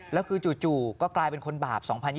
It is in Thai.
แล้วคือจู่ก็กลายเป็นคนบาป๒๐๒๐